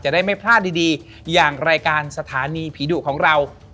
ได้ไม่พลาดดีอย่างรายการสถานีผีดุของเรา